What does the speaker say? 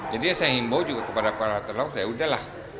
jadi ya saya himbo juga kepada para terlalu ya udahlah